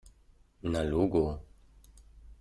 Na logo!